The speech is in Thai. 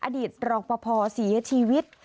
อดีตหลอกประพอบ์เสียชีวิต